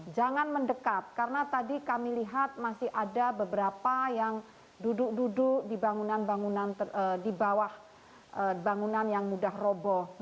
jangan mendekat karena tadi kami lihat masih ada beberapa yang duduk duduk di bawah bangunan yang mudah robo